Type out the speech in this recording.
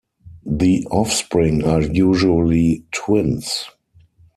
The offspring are usually twins.